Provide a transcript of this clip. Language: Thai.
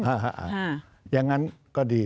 อย่างนั้นก็ดี